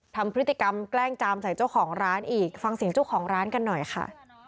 ทำพฤติกรรมแกล้งจามใส่เจ้าของร้านอีกฟังเสียงเจ้าของร้านกันหน่อยค่ะ